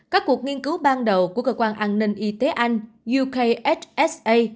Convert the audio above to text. các cuộc nghiên cứu ban đầu của cơ quan an ninh y tế anh yuksa